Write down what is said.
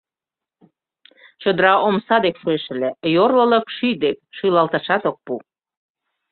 Чодыра омса дек шуэш ыле, йорлылык — шӱй дек, шӱлалташат ок пу...